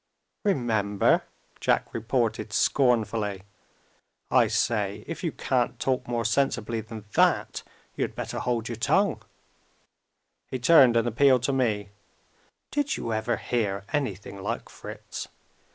"Remember?" Jack reported scornfully. "I say, if you can't talk more sensibly than that, you had better hold your tongue." He turned and appealed to me. "Did you ever hear anything like Fritz?